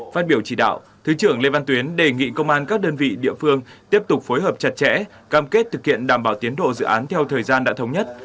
phát biểu chỉ đạo thứ trưởng lê văn tuyến đề nghị công an các đơn vị địa phương tiếp tục phối hợp chặt chẽ cam kết thực hiện đảm bảo tiến độ dự án theo thời gian đã thống nhất